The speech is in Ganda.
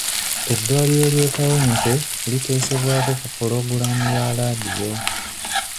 Eddwaliro ly'e Kawempe liteesebwako ku pulogulaamu ya laadiyo.